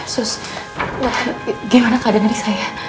sus gimana keadaan dari saya